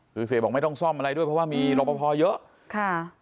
คือเสียบอกไม่ต้องซ่อมอะไรด้วยเพราะว่ามีรอปภเยอะค่ะ